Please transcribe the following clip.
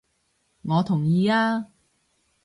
我同意啊！